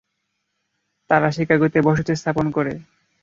তারা শিকাগোতে বসতি স্থাপন করে।